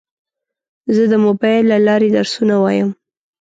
زه د موبایل له لارې درسونه وایم.